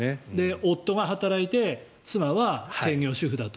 夫が働いて妻は専業主婦だと。